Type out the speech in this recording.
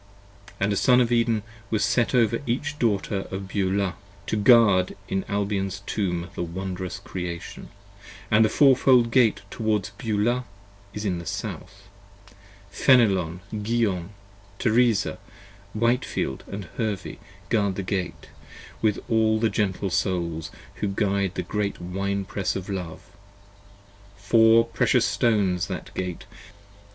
And a Son of Eden was set over each Daughter of Beulah, to guard In Albion's Tomb the wondrous Creation: & the Four fold Gate 50 Towards Beulah is to the South: Fenelon, Guion, Teresa, Whitefield & Hervey guard that Gate, with all the gentle Souls 52 Who guide the great Wine press of Love: Four precious Stones that Gate: p.